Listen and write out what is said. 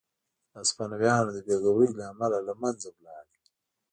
د هسپانویانو د بې غورۍ له امله له منځه لاړ.